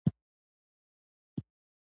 سيدال خان وويل: ګوره!